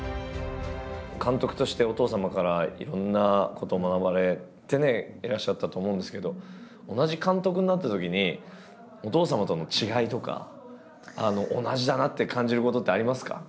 監督としてお父様からいろんなことを学ばれていらっしゃったと思うんですけど同じ監督になったときにお父様との違いとか同じだなって感じることってありますか？